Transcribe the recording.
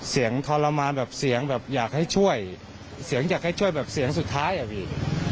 ทรมานแบบเสียงแบบอยากให้ช่วยเสียงอยากให้ช่วยแบบเสียงสุดท้ายอ่ะพี่